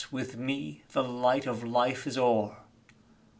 with me The light of Life is o'er!